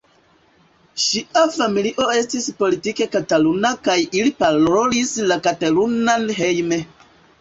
Ŝia familio estis politike kataluna kaj ili parolis la katalunan hejme.